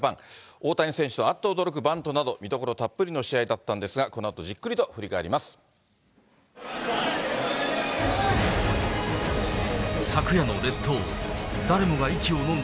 大谷選手のあっと驚くバントなど、見どころたっぷりの試合だったんですが、このあと、じっくりと振昨夜の列島。